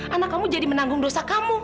anak kamu jadi menanggung dosa kamu